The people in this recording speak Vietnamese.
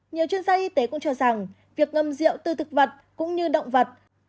nhiều chuyên gia y tế cũng cho rằng việc ngâm rượu từ thực vật cũng như động vật